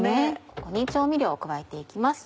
ここに調味料を加えて行きます。